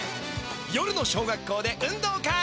夜の小学校で運動会！